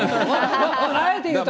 あえて言うと。